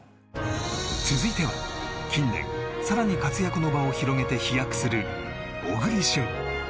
続いては近年更に活躍の場を広げて飛躍する小栗旬